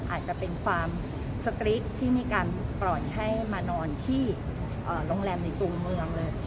อาจจะเป็นความสกรี๊ดที่มีการปล่อยให้มานอนที่โรงแรมในตัวเมืองเลย